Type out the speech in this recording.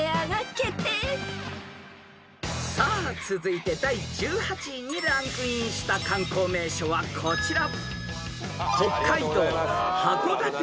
続いて第１８位にランクインした観光名所はこちら］